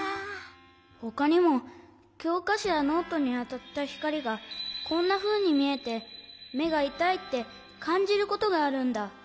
ほかにもきょうかしょやノートにあたったひかりがこんなふうにみえてめがいたいってかんじることがあるんだ。